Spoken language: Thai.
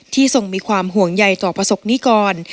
ที่ส่งมีความห่วงใหญ่ต่อประสงค์นี้ก่อน